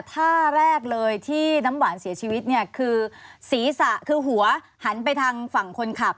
ท่าแรกเลยที่น้ำหวานเสียชีวิตเนี่ยคือศีรษะคือหัวหันไปทางฝั่งคนขับ